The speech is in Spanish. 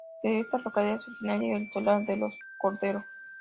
De esta localidad es originario el solar de los Cordero.